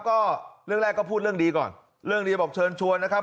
ก็เรื่องแรกก็พูดเรื่องดีก่อนเรื่องดีบอกเชิญชวนนะครับ